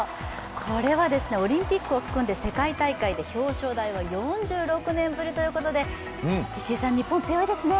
これはオリンピックを含んで世界大会で表彰台は４６年ぶりということで日本、強いですね。